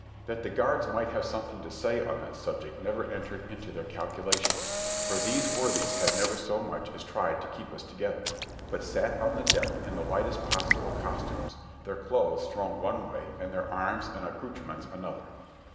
That the guards might have something to say on that subject never entered into their calculations, for these worthies had never so much as tried to keep us together, but sat on the deck in the lightest possible costumes, their clothes thrown one way and their arms and ac coutrements another.